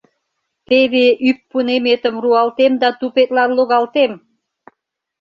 Теве ӱппунеметым руалтем да тупетлан логалтем!